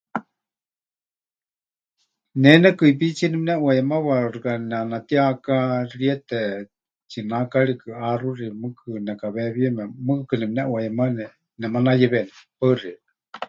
Ne nekɨipítsie nepɨneʼuayemawa xɨka neʼanatihaaká xiete, tsinákarikɨ, ʼáxuxi ri mɨɨkɨ nekaweewieme, mɨɨkɨkɨ nemɨneʼuayemani, nemanayawení. Paɨ xeikɨ́a.